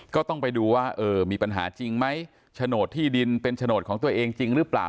ก็ต้องไปดูว่ามีปัญหาจริงไหมโฉนดที่ดินเป็นโฉนดของตัวเองจริงหรือเปล่า